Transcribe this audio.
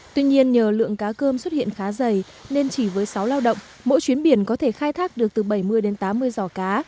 tuy nhiên nhờ lượng cá cơm xuất hiện khá dày nên chỉ với sáu lao động mỗi chuyến biển có thể khai thác được từ bảy mươi đến tám mươi giỏ cá